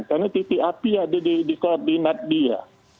karena titik api ada di koordinat dia